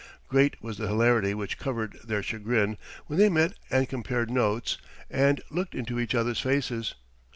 Great was the hilarity which covered their chagrin when they met and compared notes and looked into each others' faces.